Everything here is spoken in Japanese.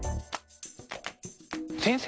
先生